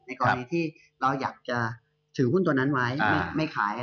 กรณีที่เราอยากจะถือหุ้นตัวนั้นไว้ไม่ขาย